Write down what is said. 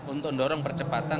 untuk mendorong percepatan